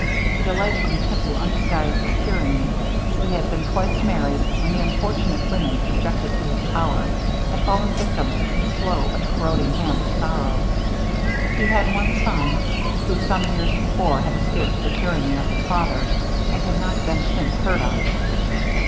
He delighted in simple undisguised tyranny. He had been twice married, and the unfortunate women subjected to his power, had fallen victims to the slow but corroding hand of sorrow. He had one son, who some years before had escaped the tyranny of his father, and had not been since heard of.